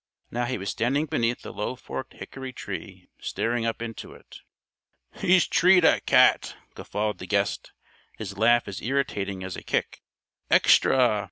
Now he was standing beneath a low forked hickory tree staring up into it. "He's treed a cat!" guffawed the guest, his laugh as irritating as a kick. "Extra!